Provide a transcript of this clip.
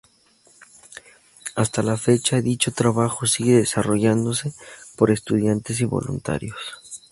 Hasta la fecha, dicho trabajo sigue desarrollándose por estudiantes y voluntarios.